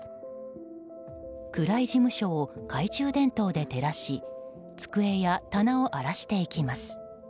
暗い事務所を懐中電灯で照らし机や棚を荒らしていきます。